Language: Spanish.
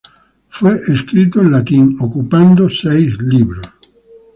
Fue escrito en latín, conteniendo en seis libros.